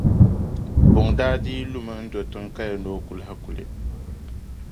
Buŋa daa dii lumi n-do tiŋa ka yɛli ni o ku lahi kuli.